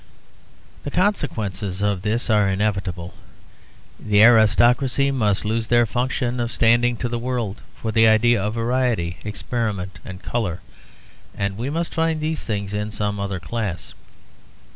The consequences of this are inevitable. The aristocracy must lose their function of standing to the world for the idea of variety, experiment, and colour, and we must find these things in some other class.